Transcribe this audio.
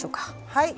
はい。